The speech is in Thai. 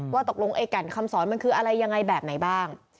ว่าตกลงไอ้แก่นคำสอนมันคืออะไรยังไงแบบไหนบ้าง